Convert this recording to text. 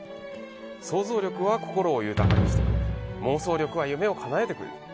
想像力は心を豊かにしてくれる夢をかなえてくれる。